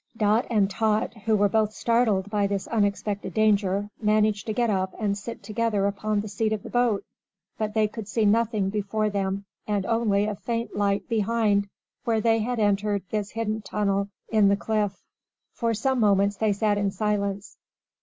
Dot and Tot, who were both startled by this unexpected danger, managed to get up and sit together upon the seat of the boat; but they could see nothing before them and only a faint light behind, where they had entered this hidden tunnel in the cliff. For some moments they sat in silence.